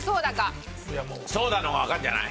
ソーダの方がわかるんじゃない？